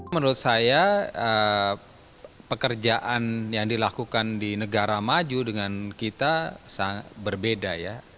menurut saya pekerjaan yang dilakukan di negara maju dengan kita berbeda ya